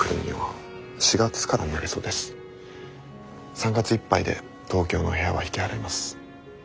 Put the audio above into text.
３月いっぱいで東京の部屋は引き払います。